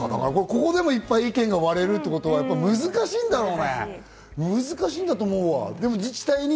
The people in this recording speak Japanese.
ここでも意見が割れるってことは難しいんだろうね。